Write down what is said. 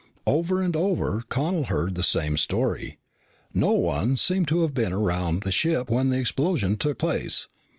Over and over, Connel heard the same story. No one seemed to have been around the ship when the explosion took place.